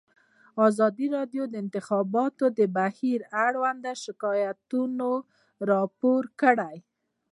ازادي راډیو د د انتخاباتو بهیر اړوند شکایتونه راپور کړي.